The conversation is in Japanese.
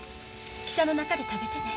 汽車の中で食べてね。